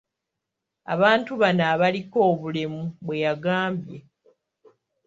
Abantu bano abaliko obulemu bwe yagambye.